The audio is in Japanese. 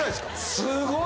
すごい！